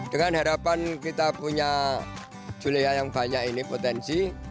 dengan harapan kita punya julia yang banyak ini potensi